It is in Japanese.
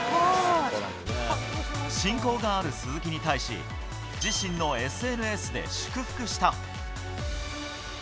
親交がある鈴木に対し、自身のＳＮＳで祝福した。